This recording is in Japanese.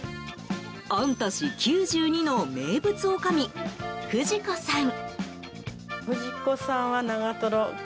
御年９２の名物おかみ不二子さん。